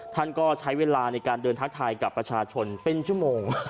ท่านก็ใช้เวลาในการเดินทักทายกับประชาชนเป็นชั่วโมง